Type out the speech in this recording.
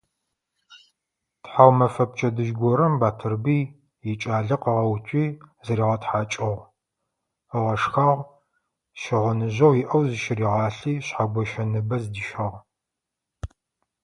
Тхьаумэфэ пчэдыжь горэм Батырбый икӀалэ къыгъэуцуи зыригъэтхьакӀыгъ, ыгъэшхагъ, щыгъыныжъэу иӀэр зыщыригъалъи, Шъхьэгощэ ныбэ зыдищагъ.